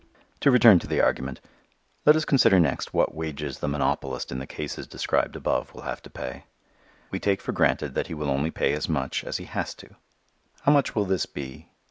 To return to the argument. Let us consider next what wages the monopolist in the cases described above will have to pay. We take for granted that he will only pay as much as he has to. How much will this be?